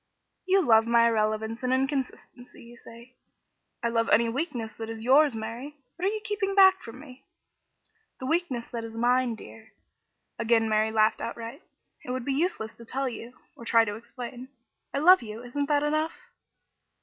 "You love my irrelevance and inconsistency, you say, " "I love any weakness that is yours, Mary. What are you keeping back from me?" "The weakness that is mine, dear." Again Mary laughed outright. "It would be useless to tell you or to try to explain. I love you, isn't that enough?"